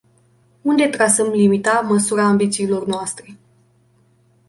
Unde trasăm limita, măsura ambițiilor noastre?